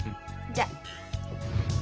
じゃあ。